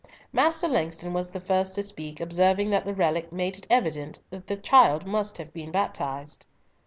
Master Langston was the first to speak, observing that the relic made it evident that the child must have been baptized.